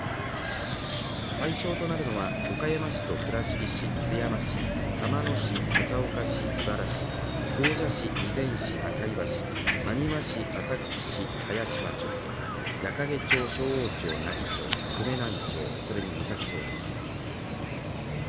対象となるのは岡山市と倉敷市、津山市玉野市、笠岡市、井原市総社市、備前市、赤磐市真庭市、浅口市、早島町矢掛町、勝央町、奈義町久米南町、それに美咲町です。